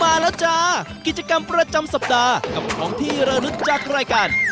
มาแล้วจ้ากิจกรรมประจำสัปดาห์กับของที่ระลึกจากรายการ